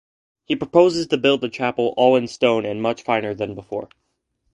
He purposes to build the chapel all in stone, and much finer than before.